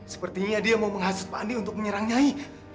sepertinya dia mau menghasut pak andi untuk menyerang nyai